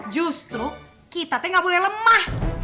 justru kita tuh gak boleh lemah